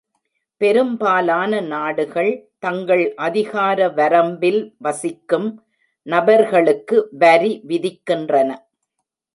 பெரும்பாலான நாடுகள் தங்கள் அதிகார வரம்பில் வசிக்கும் நபர்களுக்கு வரி விதிக்கின்றன.